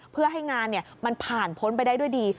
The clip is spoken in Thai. เพื่อให้งานมันผ่านพ้นไปได้ด้วยดี